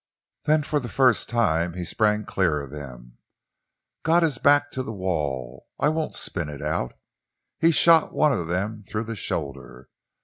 Then for the first time he sprang clear of them, got his back to the wall. I won't spin it out he shot one of them through the shoulder.